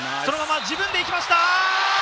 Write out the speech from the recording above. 自分で行きました。